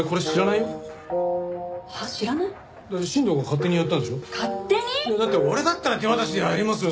いやだって俺だったら手渡しでやりますよ